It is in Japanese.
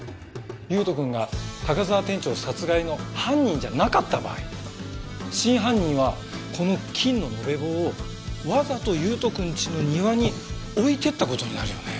悠斗くんが高沢店長殺害の犯人じゃなかった場合真犯人はこの金の延べ棒をわざと悠斗くんちの庭に置いてった事になるよね。